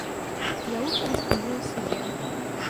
Я лучше расскажу о себе.